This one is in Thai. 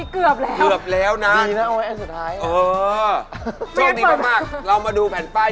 ๓ครับเหลืออีก๒ตำแหน่งครับ